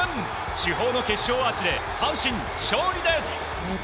主砲の決勝アーチで阪神、勝利です。